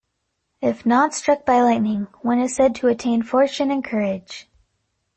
If not struck by lightning, one is said to attain fortune and courage.